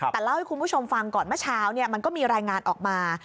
แต่เล่าให้คุณผู้ชมฟังก่อนเมื่อเช้ามันก็มีรายงานออกมา